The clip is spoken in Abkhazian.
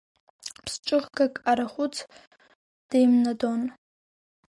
Ԥсҿыхгак арахәыц деимнадон.